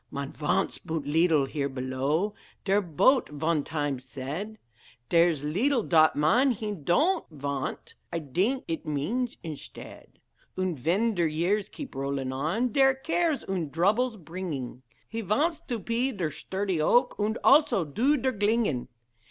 "Man vants budt leedle here below," Der boet von time said; Dhere's leedle dot man he don'd vant, I dink id means, inshted; Und ven der years keep rolling on, Dheir cares und droubles pringing, He vants to pe der shturdy oak, Und, also, do der glinging.